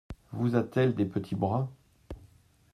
Vous a-t-elle des petits bras !…